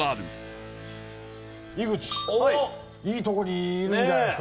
井口いいとこにいるんじゃないですか。